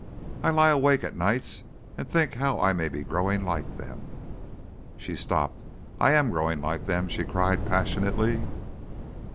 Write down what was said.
I lie awake at nights and think how I may be growing like them...." She stopped. "I am growing like them," she cried passionately.